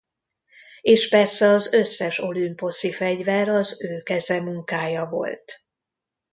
És persze az összes olümposzi fegyver az ő keze munkája volt.